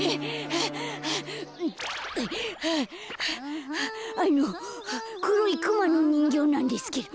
あのくろいクマのにんぎょうなんですけど。